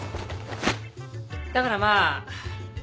だからまあ。